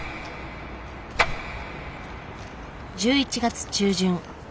１１月中旬。